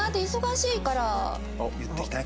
言ってきたね。